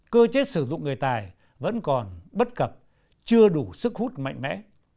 cơ chế sử dụng người tài vẫn còn bất cập chưa đủ sức hút mạnh mẽ